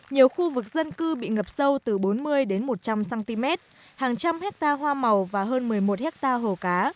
nhiều khu vực dân cư bị ngập sâu từ bốn mươi đến một trăm linh cm hàng trăm hectare hoa màu và hơn một mươi một hectare hồ cá